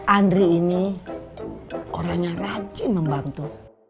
andri ini orang yang rajin membantu